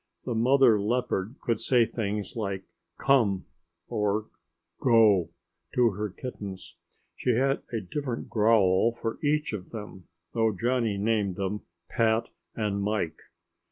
The mother leopard could say things like "Come," or "Go" to her kittens. She had a different growl for each of them, though Johnny named them Pat and Mike.